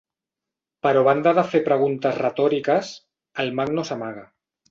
Però a banda de fer preguntes retòriques, el mag no s'amaga.